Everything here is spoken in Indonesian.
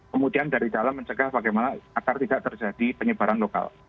kemudian dari dalam mencegah bagaimana agar tidak terjadi penyebaran lokal